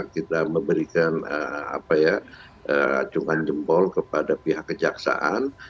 kita memberikan apa ya cungan jempol kepada pihak kejaksaan